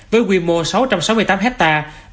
với quy mô sáu trăm sáu mươi tám hectare